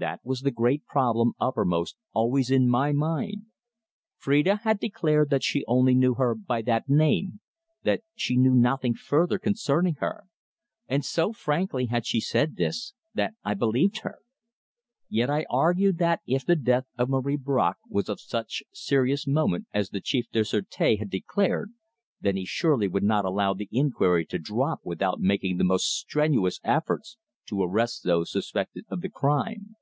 That was the great problem uppermost always in my mind. Phrida had declared that she only knew her by that name that she knew nothing further concerning her. And so frankly had she said this, that I believed her. Yet I argued that, if the death of Marie Bracq was of such serious moment as the Chef du Sureté had declared, then he surely would not allow the inquiry to drop without making the most strenuous efforts to arrest those suspected of the crime.